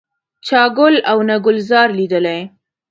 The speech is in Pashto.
چا ګل او نه ګلزار لیدلی دی.